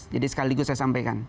jadi sekali lagi saya sampaikan